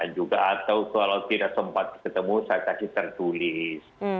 juga atau kalau tidak sempat ketemu saya kasih tertulis